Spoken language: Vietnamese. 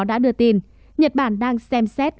đã đưa tin nhật bản đang xem xét